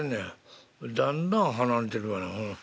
だんだん離れてくがな。